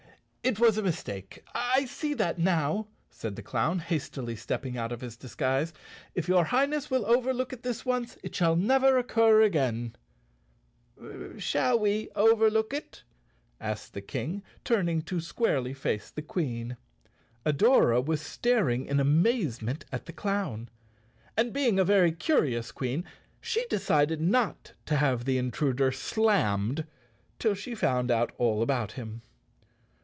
"It was a mistake, I see that now," said the clown, hastily stepping out of his disguise. "If your High¬ ness will overlook it this once, it will never occur again." 84 _ Chapter Seven "Shall we overlook it?" asked the King, turning to squarely face the Queen. Adora was staring in amazement at the clown, and being a very curious Queen she decided not to have the intruder slammed till she found out all about him.